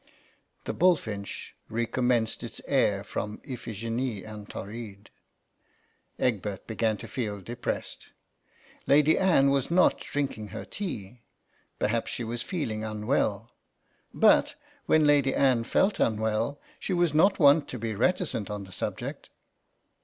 The bullfinch recommenced its air from Iphigenie en Tauride, Egbert began to feel depressed. Lady Anne was not drinking her tea. Perhaps she was feeling unwell. But when Lady Anne felt unwell she was not wont to be reticent on the subject.